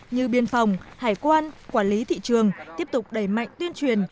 như biên phòng hải quan quản lý thị trường tiếp tục đẩy mạnh tuyên truyền